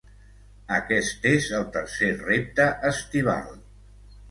Aquest és el tercer repte estival.